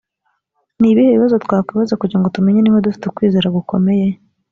ni ibihe bibazo twakwibaza kugira ngo tumenye niba dufite ukwizera gukomeye?